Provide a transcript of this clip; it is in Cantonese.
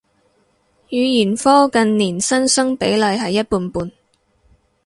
語言科近年新生比例係一半半